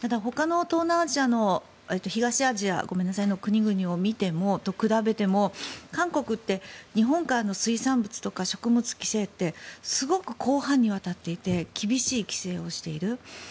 ただ、ほかの東アジアの国々と比べても韓国って日本からの水産物とか食物規制ってすごく広範囲にわたっていて厳しい規制をしている。